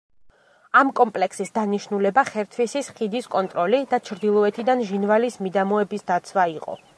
ამ კომპლექსის დანიშნულება ხერთვისის ხიდის კონტროლი და ჩრდილოეთიდან ჟინვალის მიდამოების დაცვა იყო.